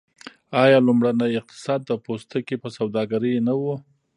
آیا لومړنی اقتصاد د پوستکي په سوداګرۍ نه و؟